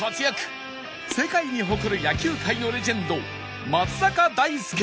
世界に誇る野球界のレジェンド松坂大輔と